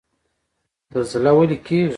زلزله ولې کیږي؟